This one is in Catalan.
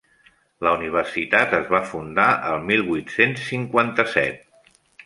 La universitat es va fundar el mil vuit-cents cinquanta-set.